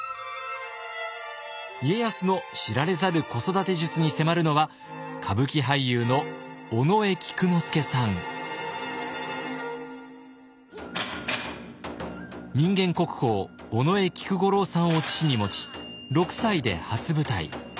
家康の知られざる子育て術に迫るのは人間国宝尾上菊五郎さんを父に持ち６歳で初舞台。